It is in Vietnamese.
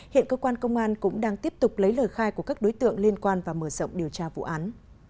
hiện cơ quan công an cũng đang tiếp tục lấy lời khai của các đối tượng liên quan và mở rộng điều tra vụ án